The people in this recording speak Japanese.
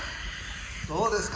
どうですか？